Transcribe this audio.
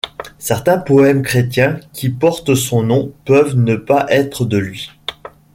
Certains poèmes chrétiens qui portent son nom peuvent ne pas être de lui.